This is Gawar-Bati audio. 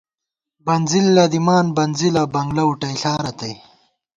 بنزِل لَدِمان بنزِلہ ، بنگلہ وُٹَئیݪا رتئ